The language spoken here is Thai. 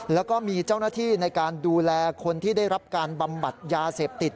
แล้วก็มีเจ้าหน้าที่ในการดูแลคนที่ได้รับการบำบัดยาเสพติด